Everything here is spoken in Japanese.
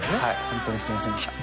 ホントにすいませんでした。